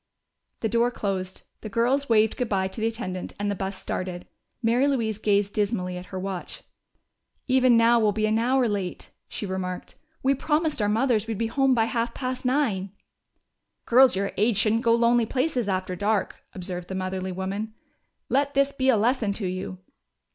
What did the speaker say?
The door closed; the girls waved good bye to the attendant, and the bus started. Mary Louise gazed dismally at her watch. "Even now we'll be an hour late," she remarked. "We promised our mothers we'd be home by half past nine!" "Girls your age shouldn't go lonely places after dark," observed the motherly woman. "Let this be a lesson to you!"